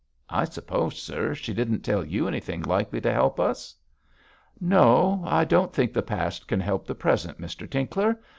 I suppose, sir, she didn't tell you anything likely to help us?' 'No! I don't think the past can help the present, Mr Tinkler.